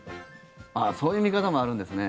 ああ、そういう見方もあるんですね。